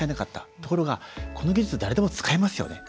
ところが、この技術誰でも使えますよね。